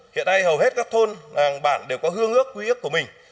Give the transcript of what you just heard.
hiện nay hầu hết các thôn làng bản đều có hương ước quy ước của mình